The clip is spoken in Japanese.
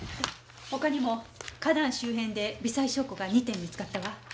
他にも花壇周辺で微細証拠が二点見つかったわ。